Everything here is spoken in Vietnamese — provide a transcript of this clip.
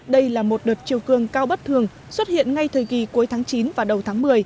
đây là một đợt chiều cường cao bất thường xuất hiện ngay thời kỳ cuối tháng chín và đầu tháng một mươi